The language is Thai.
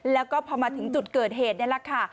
แล้วก็พอมาถึงจุดเกิดเหตุนี่แหละค่ะ